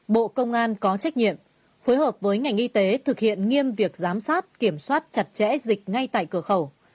bộ công an có trách nhiệm phối hợp với ngành y tế thực hiện nghiêm việc giám sát kiểm soát chặt chẽ dịch ngay tại cửa khẩu